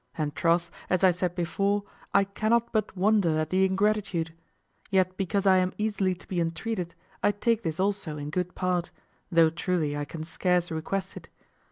And troth, as I said before, I cannot but wonder at the ingratitude; yet because I am easily to be entreated, I take this also in good part, though truly I can scarce request it.